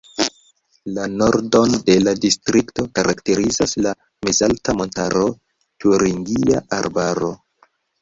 La nordon de la distrikto karakterizas la mezalta montaro Turingia Arbaro.